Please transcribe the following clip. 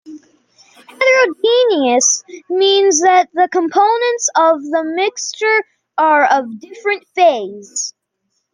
"Heterogeneous" means that the components of the mixture are of different phase.